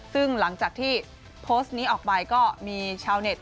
ซึ่งหลังจากที่โพสต์นี้ออกไปก็มีชาวเน็ต